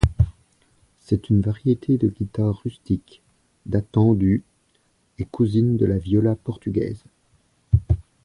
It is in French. C'est une variété de guitare rustique datant du et cousine de la viola portugaise.